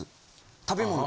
食べ物。